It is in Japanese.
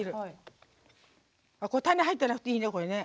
種入ってなくていいね。